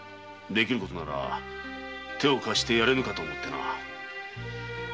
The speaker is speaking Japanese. できることなら手を貸してやれぬかと思ってな。